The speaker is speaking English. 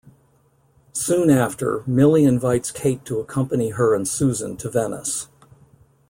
Soon after Milly invites Kate to accompany her and Susan to Venice.